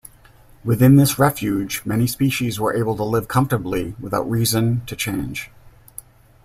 Within this refuge many species were able to live comfortably without reason to change.